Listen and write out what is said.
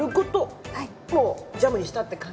もうジャムにしたって感じ。